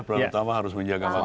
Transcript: peran utama harus menjaga masyarakat